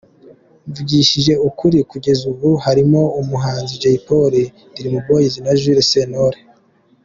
Mvugishije ukuri kugeza ubu harimo umuhanzi Jay Polly, Dream Boys na Jules Sentore.